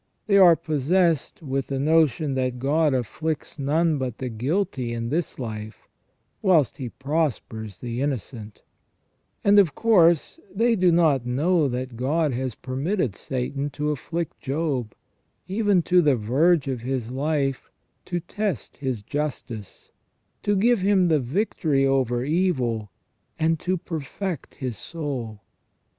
They are possessed with the notion that God afflicts none but the guilty in this life, whilst He prospers the innocent ; and of course they do not know that God has permitted Satan to afflict Job, even to the verge of his life, to test his justice, to give him the victory over evil, and to perfect his soul.